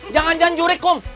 jangan jangan jurik kum